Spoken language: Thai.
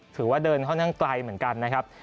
ถือว่าเดินค่อนข้างไกลเหมือนกันนะครับ